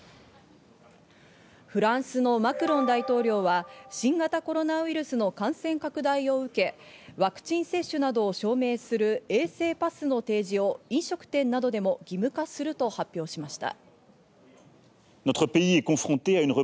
フランスのマクロン大統領は新型コロナウイルスの感染拡大を受け、ワクチン接種などを証明する衛生パスの提示を飲食店などでも義務化すると発表しました。